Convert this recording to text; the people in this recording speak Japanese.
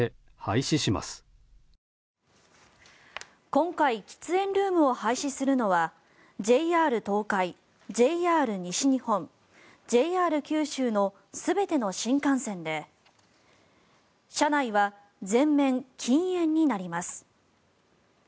今回喫煙ルームを廃止するのはＪＲ東海、ＪＲ西日本ＪＲ九州の全ての新幹線で車内は全面禁煙になります。